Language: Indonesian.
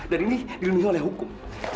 dan ini dilindungi oleh hukum